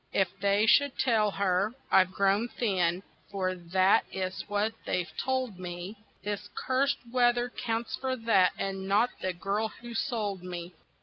If they should tell her I've grown thin (for that is what they've told me) This cursed weather counts for that, and not the girl who sold me.